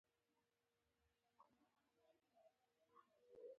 د دعا ارزښت د خیر سبب دی.